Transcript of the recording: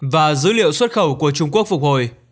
và dữ liệu xuất khẩu của trung quốc phục hồi